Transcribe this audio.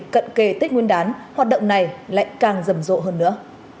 kinh đáng hoạt động này lại càng rầm rộ hơn nữa